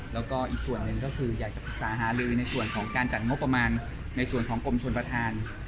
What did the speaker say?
แล้วก็อีกส่วนหนึ่งก็คืออยากจะปรึกษาหาลือในส่วนของการจัดงบประมาณในส่วนของกรมชนประธาน